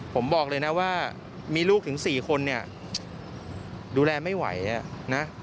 ผมบอกเลยนะว่ามีลูกถึง๔คนเนี่ยดูแลไม่ไหวนะ